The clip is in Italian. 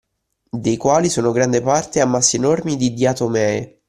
Dei quali sono grande parte ammassi enormi di diatomee